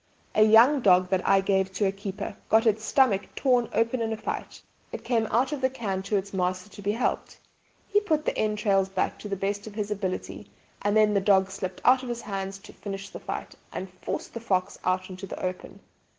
A young dog that I gave to a keeper got its stomach torn open in a fight. It came out of the cairn to its master to be helped. He put the entrails back to the best of his ability, and then the dog slipped out of his hands to finish the fight, and forced the fox out into the open!